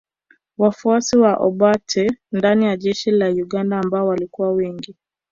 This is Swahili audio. Wafuasi wa Obote ndani ya jeshi la Uganda ambao walikuwa wengi